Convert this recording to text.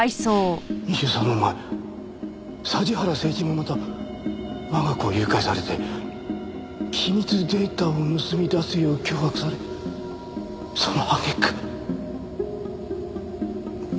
２３年前桟原誠一もまた我が子を誘拐されて機密データを盗み出すよう脅迫されその揚げ句殺されたんだ。